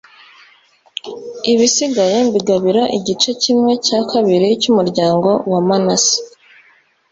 ibisigaye mbigabira igice kimwe cya kabiri cy’umuryango wa manase.